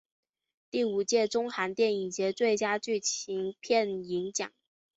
第五届中韩电影节最佳剧情片银奖。